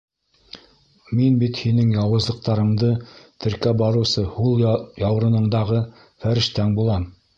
Мин бит һинең яуызлыҡтарыңды теркәп барыусы һул яҡ яурынындағы фәрештәң булам.